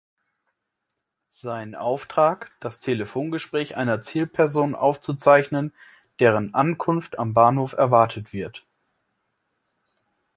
Sein Auftrag: Das Telefongespräch einer Zielperson aufzuzeichnen, deren Ankunft am Bahnhof erwartet wird.